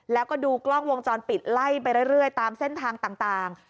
แล้วก็ดูกล้องวงจรปิดไล่ไปเรื่อยตามเส้นทางต่าง